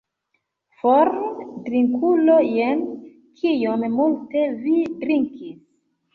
For, drinkulo, jen kiom multe vi drinkis!